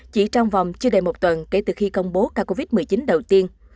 chỉ trong vòng chưa đầy một tuần kể từ khi công bố ca covid một mươi chín đầu tiên